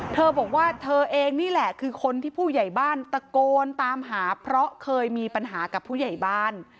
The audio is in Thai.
เธอบอกว่าเธอเองนี่แหละคือคนที่ผู้ใหญ่บ้านตะโกนตามหาเพราะเคยมีปัญหากับผู้ใหญ่บ้าน